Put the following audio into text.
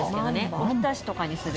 おひたしとかにする。